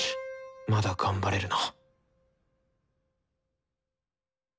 まだ頑張れるな。